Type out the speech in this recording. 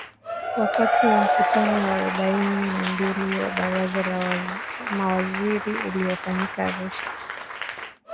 Wakati wa mkutano wa arobaini na mbili wa Baraza la Mawaziri uliofanyika Arusha